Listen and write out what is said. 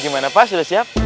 gimana pak sudah siap